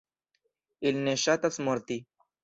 Ili ne ŝatas morti.